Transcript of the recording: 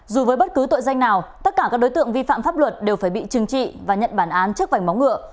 dù với bất cứ tội danh nào tất cả các đối tượng vi phạm pháp luật đều phải bị trừng trị và nhận bản án trước vảnh móng ngựa